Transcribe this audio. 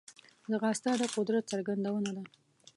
ځغاسته د قدرت څرګندونه ده